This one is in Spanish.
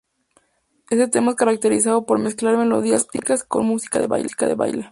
Este tema se caracterizaba por mezclar melodías operísticas con música de baile.